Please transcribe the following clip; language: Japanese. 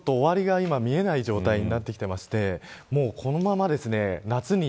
終わりが見えない状態になってきていてこのまま夏に。